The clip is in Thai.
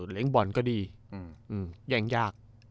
เล่นบอลก็ดีแย่งยาก